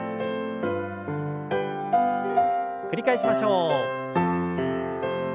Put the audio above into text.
繰り返しましょう。